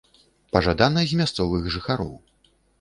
Пажадана з мясцовых жыхароў.